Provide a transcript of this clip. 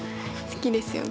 好きですよ。